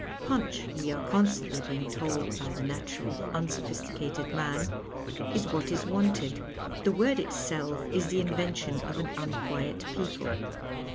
" Punch," we are constantly being told by the natural unsophisticated man, is what is wanted — the word itself is the invention of an untpiiet people.